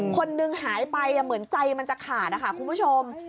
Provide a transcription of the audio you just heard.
คนนึงหายไปเหมือนใจมันจะขาดนะคะคุณผู้ชม